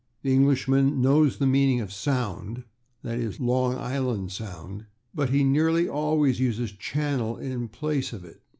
The Englishman knows the meaning of /sound/ (/e. g./, Long Island /Sound/), but he [Pg109] nearly always uses /channel/ in place of it.